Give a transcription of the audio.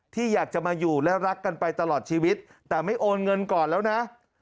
ที่อยากจะมาอยู่และรักกันไปตลอดชีวิตแต่ไม่โอนเงินก่อนแล้วนะ